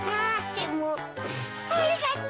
でもありがと。